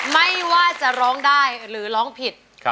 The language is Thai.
ไม่ว่าจะร้องได้หรือร้องผิด